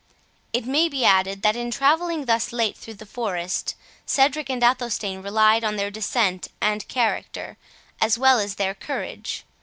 It may be added, that in travelling thus late through the forest, Cedric and Athelstane relied on their descent and character, as well as their courage.